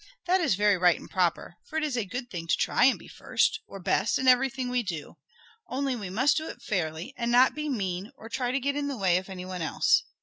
That is very right and proper, for it is a good thing to try and be first, or best, in everything we do. Only we must do it fairly, and not be mean, or try to get in the way of anyone else.